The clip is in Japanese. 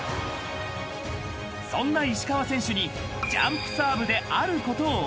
［そんな石川選手にジャンプサーブで］